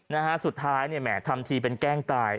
นะฮะสุดท้ายเนี่ยแหมทำทีเป็นแกล้งตาย